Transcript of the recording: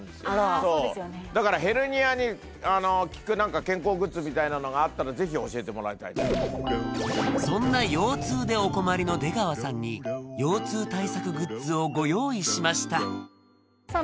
そうだからヘルニアに効く健康グッズみたいなのがあったらぜひ教えてもらいたいそんな腰痛でお困りの出川さんに腰痛対策グッズをご用意しましたさあ